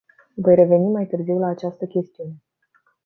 Voi reveni mai târziu la această chestiune.